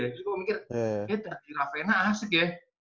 jadi gue mikir ya terdi ravena asik ya